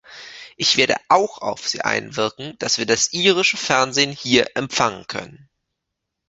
Ich werde auch auf sie einwirken, dass wir das irische Fernsehen hier empfangen können.